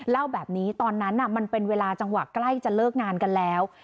เล่าแบบนี้ตอนนั้นมันเป็นเวลาจังหวะใกล้จะเลิกงานกันแล้ว